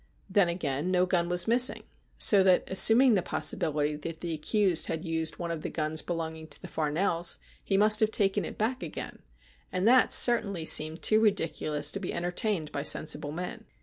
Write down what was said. Then again, no gun was missing, so that, assuming the possibility that the accused had used one of the guns belonging to the Farnells, he must have taken it back again, and that certainly seemed too ridiculous to be entertained by sensible men.